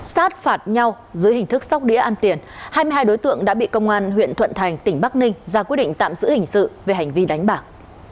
sát phạt nhau dưới hình thức sóc đĩa ăn tiền hai mươi hai đối tượng đã bị công an huyện thuận thành tỉnh bắc ninh ra quyết định tạm giữ hình sự về hành vi đánh bạc